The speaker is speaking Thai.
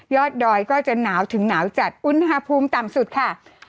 ดอยก็จะหนาวถึงหนาวจัดอุณหภูมิต่ำสุดค่ะ